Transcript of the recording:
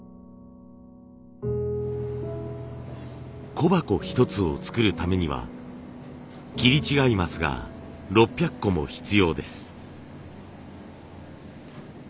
小箱一つを作るためには切り違い枡が６００個も必要です。